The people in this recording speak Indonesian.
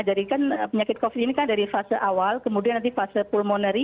jadi kan penyakit covid ini kan dari fase awal kemudian nanti fase pulmonari